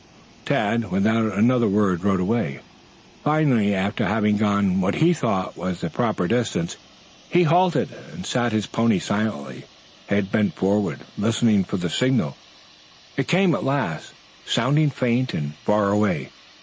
Tad without another word rode away. Finally after having gone what he thought was the proper distance, he halted and sat his pony silently, head bent forward listening for the signal. It came at last, sounding faint and far away.